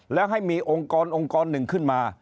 แล้วให้มีองค์กรองค์กรหนึ่งขึ้นมา